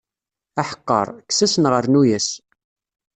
Aḥeqqaṛ, kkes-as neɣ rnu-yas.